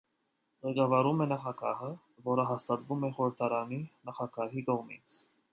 Ղեկավարում է նախագահը, որը հաստատվում է խորհրդարանի նախագահի կողմից։